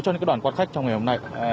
cho những đoàn quan khách trong ngày hôm nay